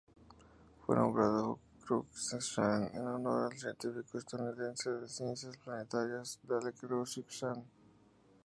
Fue nombrado Cruikshank en honor al científico estadounidense de ciencias planetarias Dale Cruikshank.